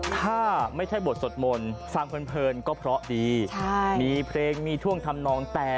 ถ้าไม่ได้บทสดมณฑ์ฟรรย์พื้นปืนก็พอดีใช่มีเพลงมีท่วงทำนองแต่